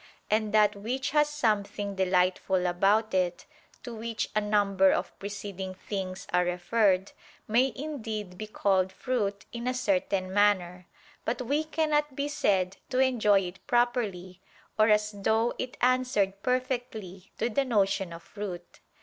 And that which has something delightful about it, to which a number of preceding things are referred, may indeed be called fruit in a certain manner; but we cannot be said to enjoy it properly or as though it answered perfectly to the notion of fruit.